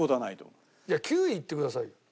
９位いってくださいよ。